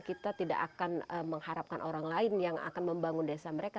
kita tidak akan mengharapkan orang lain yang akan membangun desa mereka